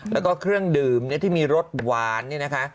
แล้วก็เครื่องดื่มที่มีรสหวานเนี่ยนะคะ